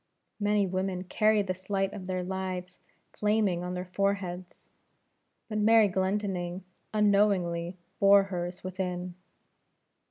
Many women carry this light of their lives flaming on their foreheads; but Mary Glendinning unknowingly bore hers within.